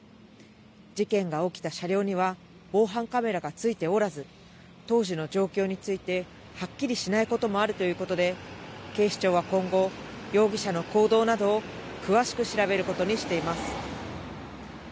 事件が起きた車両には、防犯カメラがついておらず、当時の状況についてはっきりしないこともあるということで、警視庁は今後、容疑者の行動などを詳しく調べることにしています。